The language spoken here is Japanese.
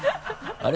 あれ？